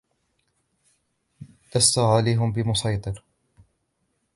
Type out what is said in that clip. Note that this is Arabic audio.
لست عليهم بمصيطر